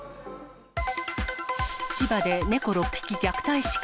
千葉で猫６匹虐待死か。